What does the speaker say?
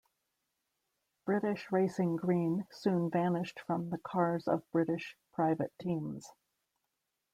British Racing Green soon vanished from the cars of British private teams.